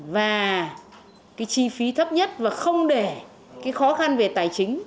và cái chi phí thấp nhất và không để cái khó khăn về tài chính